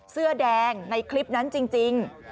เสื้อแดงในคลิปนั้นจริง